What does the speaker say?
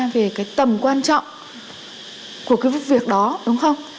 về cái tầm quan trọng của cái việc đó đúng không